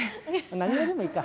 何色でもいいか。